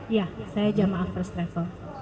ya saya jamaah first travel